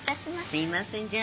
すいませんじゃあ。